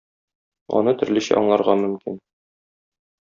Аны төрлечә аңларга мөмкин.